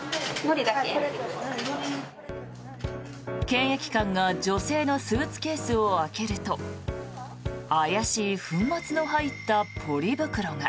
検疫官が女性のスーツケースを開けると怪しい粉末の入ったポリ袋が。